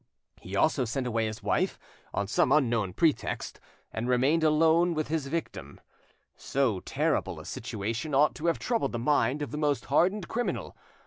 He also sent away his wife, on some unknown pretext, and remained alone with his victim. So terrible a situation ought to have troubled the mind of the most hardened criminal.